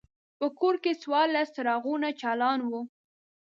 په کور کې څوارلس څراغونه چالان وو.